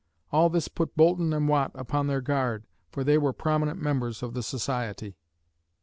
All this put Boulton and Watt upon their guard, for they were prominent members of the society.